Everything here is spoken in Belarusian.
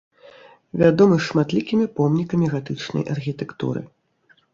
Вядомы шматлікімі помнікамі гатычнай архітэктуры.